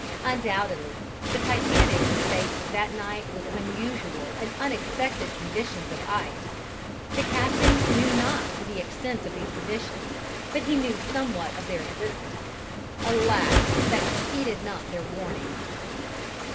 Undoubtedly the Titanic was faced that night with unusual and unexpected conditions of ice: the captain knew not the extent of these conditions, but he knew somewhat of their existence. Alas, that he heeded not their warning!